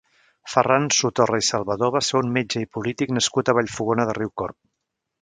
Ferran Sotorra i Salvadó va ser un metge i polític nascut a Vallfogona de Riucorb.